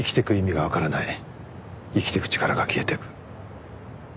生きていく力が消えていく。